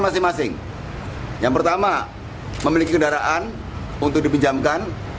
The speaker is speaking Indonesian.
masing masing yang pertama memiliki kendaraan untuk dipinjamkan